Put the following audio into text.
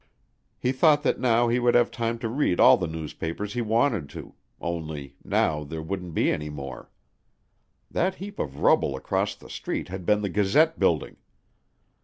He thought that now he would have time to read all the newspapers he wanted to, only now there wouldn't be any more. That heap of rubble across the street had been the Gazette Building.